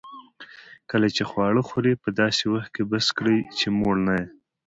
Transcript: کله چي خواړه خورې؛ په داسي وخت کښې بس کړئ، چي موړ نه يې.